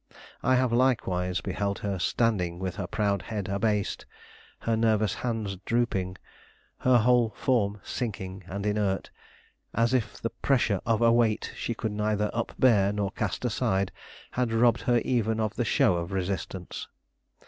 I have likewise beheld her standing with her proud head abased, her nervous hands drooping, her whole form sinking and inert, as if the pressure of a weight she could neither upbear nor cast aside had robbed her even of the show of resistance.